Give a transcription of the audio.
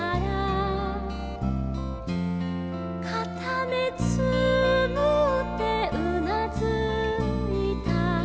「かためつむってうなずいた」